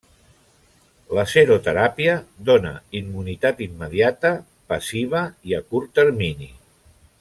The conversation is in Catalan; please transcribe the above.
La seroteràpia dóna immunitat immediata, passiva i a curt termini.